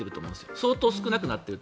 相当少なくなっていると。